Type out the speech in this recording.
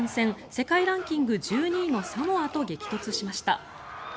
世界ランキング１２位のサモアと激突しました。